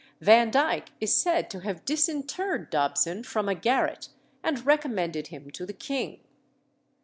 Vandyke is said to have disinterred Dobson from a garret, and recommended him to the king.